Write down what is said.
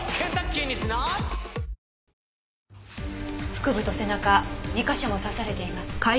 腹部と背中２カ所も刺されています。